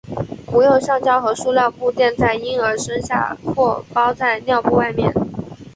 不用橡胶和塑料布垫在婴儿身下或包在尿布外面。